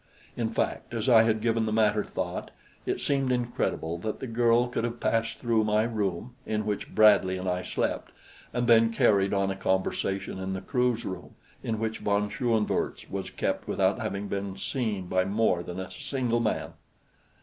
In fact, as I had given the matter thought, it seemed incredible that the girl could have passed through my room, in which Bradley and I slept, and then carried on a conversation in the crew's room, in which Von Schoenvorts was kept, without having been seen by more than a single man.